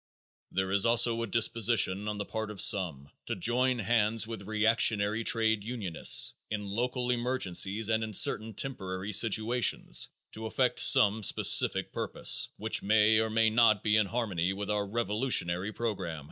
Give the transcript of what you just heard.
There is also a disposition on the part of some to join hands with reactionary trade unionists in local emergencies and in certain temporary situations to effect some specific purpose, which may or may not be in harmony with our revolutionary program.